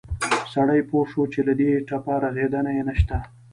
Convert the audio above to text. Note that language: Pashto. سړى پوى شو چې له دې ټپه رغېدن يې نه شته.